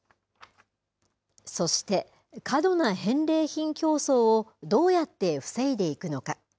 そして、過度な返礼品競争をどうやって防いでいくのか。